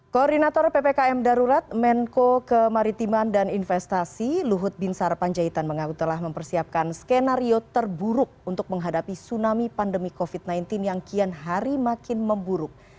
koordinator ppkm darurat menko kemaritiman dan investasi luhut bin sarpanjaitan mengaku telah mempersiapkan skenario terburuk untuk menghadapi tsunami pandemi covid sembilan belas yang kian hari makin memburuk